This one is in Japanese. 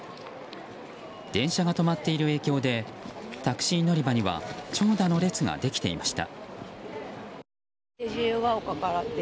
電車が止まっている影響でタクシー乗り場には長蛇の列ができていました。